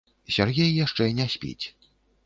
Сяргей яшчэ не спіць.